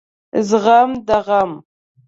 زغم د غم